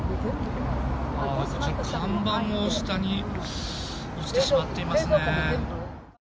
看板も下に落ちてしまっていますね。